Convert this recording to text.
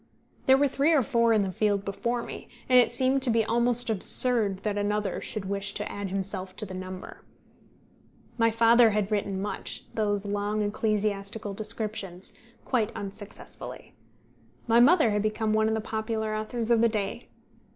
There were three or four in the field before me, and it seemed to be almost absurd that another should wish to add himself to the number. My father had written much those long ecclesiastical descriptions quite unsuccessfully. My mother had become one of the popular authors of the day.